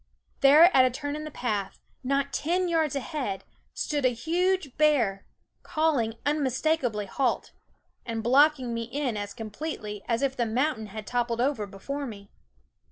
There at a turn in the path, not ten yards ahead, stood a huge bear, call ing unmistakable halt, and blocking me in as completely as if the mountain had toppled over before me.